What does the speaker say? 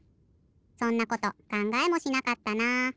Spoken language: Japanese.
そんなことかんがえもしなかったな。